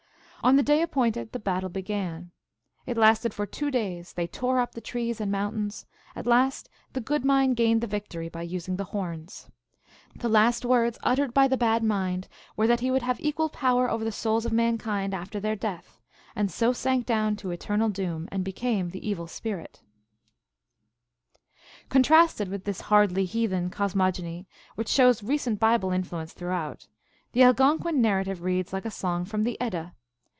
] On the day appointed the battle began ; it lasted for two days ; they tore lip the trees and mountains ; at last the Good Mind gained the victory by using the horns. The last words uttered by the Bad Mind were that he would have equal power over the souls of mankind after their death, and so sank down to eternal doom and became the Evil Spirit." 26 THE ALGONQUIN LEGENDS. Contrasted with this hardly heathen cosmogony, which shows recent Bible influence throughout, the Algonquin narrative reads like a song from the Edda.